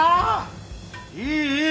いいいい。